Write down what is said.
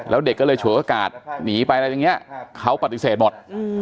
แล้วเด็กก็เลยฉวยโอกาสหนีไปอะไรอย่างนี้เขาปฏิเสธหมด